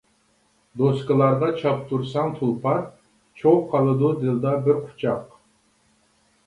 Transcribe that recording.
دوسكىلارغا چاپتۇرساڭ تۇلپار، چوغ قالىدۇ دىلدا بىر قۇچاق.